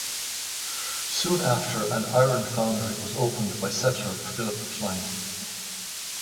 Soon after, an iron foundry was opened by settler Philip Klein.